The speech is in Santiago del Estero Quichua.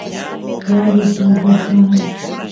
qari tullu kan